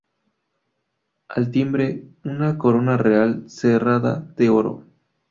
Al timbre una corona real cerrada de oro.